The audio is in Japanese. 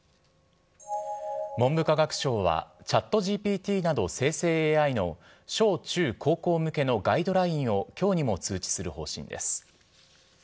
文部科学省は、チャットＧＰＴなど生成ＡＩの小中高校向けのガイドラインをきょうにも通知する方針です。